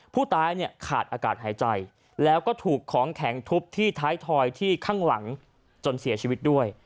ผู้ตายเนี่ยขาดอากาศหายใจแล้วก็ถูกของแข็งทุบที่ท้ายทอยที่ข้างหลังจนเสียชีวิตด้วย